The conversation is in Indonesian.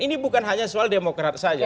ini bukan hanya soal demokrat saja